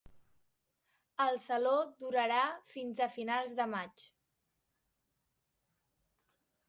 El Saló durarà fins a finals de maig.